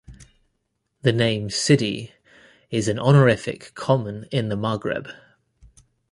The name "Sidi" is an honorific common in the Maghreb.